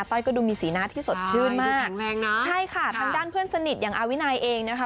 ก็ดูมีสีหน้าที่สดชื่นมากใช่ค่ะทางด้านเพื่อนสนิทอย่างอาวินัยเองนะคะ